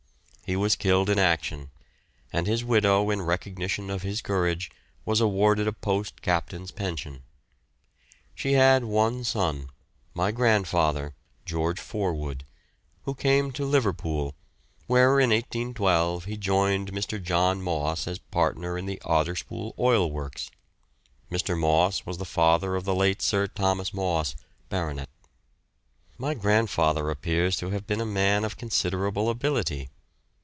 He was killed in action, and his widow, in recognition of his courage, was awarded a Post Captain's pension. She had one son, my grandfather, George Forwood, who came to Liverpool, where in 1812 he joined Mr. John Moss as partner in the Otterspool Oil Works (Mr. Moss was the father of the late Sir Thomas Moss, Bart.). My grandfather appears to have been a man of considerable ability.